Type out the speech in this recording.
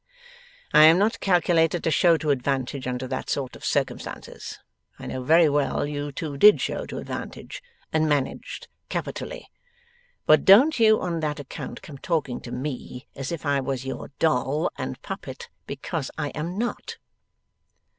I am not calculated to show to advantage under that sort of circumstances. I know very well you two did show to advantage, and managed capitally. But don't you on that account come talking to me as if I was your doll and puppet, because I am not.